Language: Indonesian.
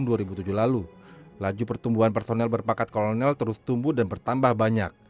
pada tahun dua ribu tujuh lalu laju pertumbuhan personil berpangkat kolonel terus tumbuh dan bertambah banyak